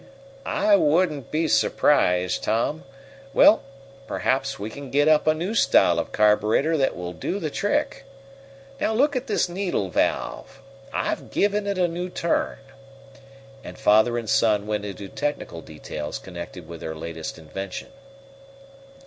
"I wouldn't be surprised, Tom. Well, perhaps we can get up a new style of carburetor that will do the trick. Now look at this needle valve; I've given it a new turn," and father and son went into technical details connected with their latest invention.